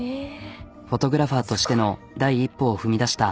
フォトグラファーとしての第一歩を踏み出した。